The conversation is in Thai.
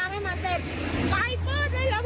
ฟังเสียงสุพันธ์บุรีไว้ด้วย